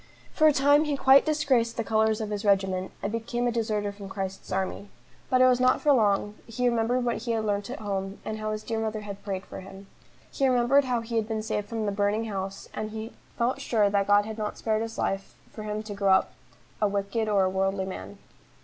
For a time he quite disgraced the colours of his regiment, and became a deserter from Christ's army. But it was not for long, he remembered what he had learnt at home, and how his dear mother had prayed for him. He remembered how he had been saved from the burning house, and he felt sure that God had not spared his life for him to grow up a wicked or a worldly man.